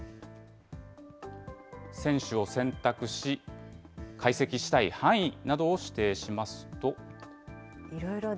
選手を選択し、解析したい範囲などを指定しますと。